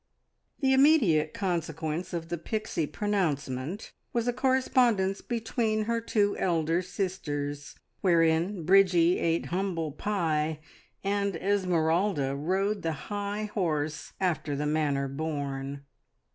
The immediate consequence of the Pixie pronouncement was a correspondence between her two elder sisters, wherein Bridgie ate humble pie, and Esmeralda rode the high horse after the manner born.